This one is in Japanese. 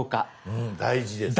うん大事ですね。